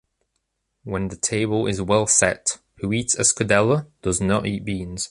When the table is well set, who eats escudella does no eat beans.